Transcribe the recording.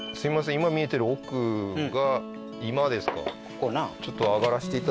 今見えてる奥が居間ですか？